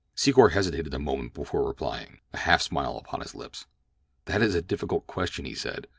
Secor hesitated a moment before replying, a half smile upon his lips, "That is a difficult question," he said.